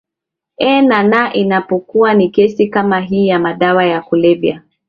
ee na na inapokuwa ni kesi kama hii ya madawa ya kulevya